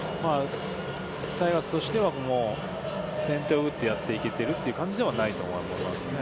タイガースとしては、もう先手を打ってやっていけてるという感じではないと思いますね。